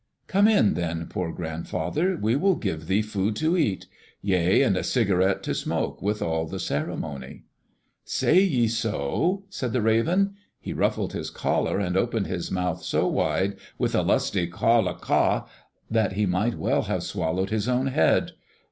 "Come in, then, poor grandfather. We will give thee food to cat. Yea, and a cigarette to smoke, with all the ceremony." "Say ye so?" said the Raven. He ruffled his collar and opened his mouth so wide with a lusty kaw la ka that he might well have swallowed his own head.